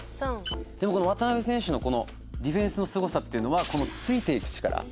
でも渡邊選手のディフェンスのすごさっていうのはこのついていく力。